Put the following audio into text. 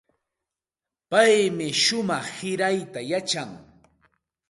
Paymi shumaq sirayta yachan.